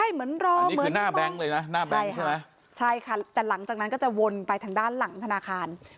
เหมือนกับรอ